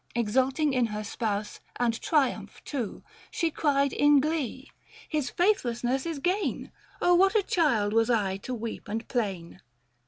Exulting in her spouse and triumph too, She cried in glee :" His faithlessness is gain ; Oh what a child was I to weep and 'plain